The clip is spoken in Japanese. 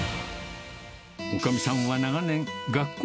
おかみさんは長年、学校